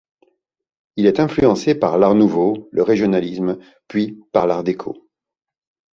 Il est influencé par l'Art nouveau, le Régionalisme, puis par l'Art déco.